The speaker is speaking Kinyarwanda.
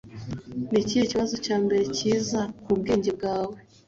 Ni ikihe kibazo cya mbere kiza mu bwenge bwawe